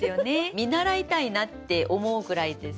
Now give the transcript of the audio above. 見習いたいなって思うぐらいです。